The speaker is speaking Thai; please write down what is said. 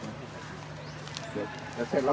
ขอบคุณครับ